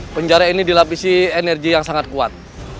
penjara ini dilapisi energi yang sangat kuat